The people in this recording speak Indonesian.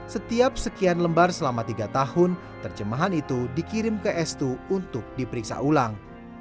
setiap sekian lembar selama tiga tahun terjemahan itu dikirim ke estu untuk diperiksa ulang